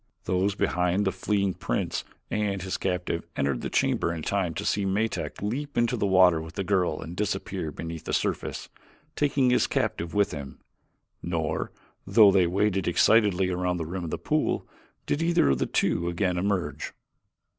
Those behind the fleeing prince and his captive entered the chamber in time to see Metak leap into the water with the girl and disappear beneath the surface taking his captive with him, nor, though they waited excitedly around the rim of the pool, did either of the two again emerge.